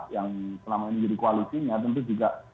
yang selama ini jadi koalisinya tentu juga